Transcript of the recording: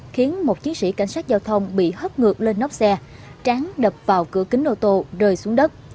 khiến một chiến sĩ cảnh sát giao thông bị hất ngược lên nóc xe tráng đập vào cửa kính ô tô rơi xuống đất